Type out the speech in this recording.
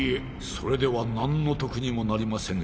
それではなんの得にもなりませぬ